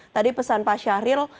tadi pesan pak syahril